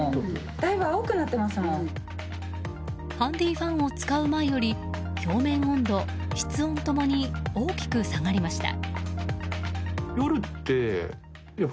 ハンディーファンを使う前より表面温度、室温共に大きく下がりました。